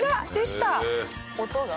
音が？